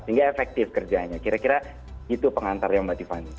hingga efektif kerjanya kira kira itu pengantar yang mbak tiffany